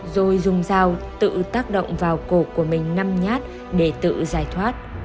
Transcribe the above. rồi dùng dao tự tác động vào cổ của mình ngâm nhát để tự giải thoát